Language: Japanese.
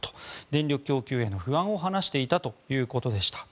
電力供給への不安を話していたということでした。